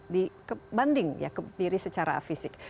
dibanding kebiri secara fisik